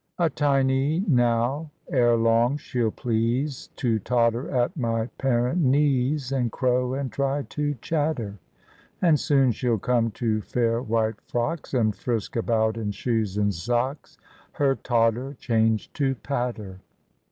A tiny now, ere long she'll please To totter at my parent knees And crow and try to chatter; And soon she'll come to fair white frocks. And frisk about in shoes and sock% Her totter changed to patter.